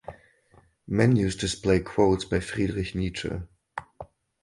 Menus display quotes by Friedrich Nietzsche.